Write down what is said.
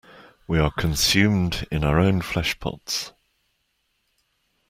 We are consumed in our own flesh-pots.